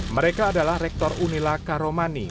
mereka adalah rektor unila karomani